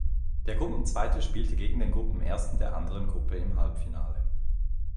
Der Gruppenzweite spielte gegen den Gruppenersten der anderen Gruppe im Halbfinale.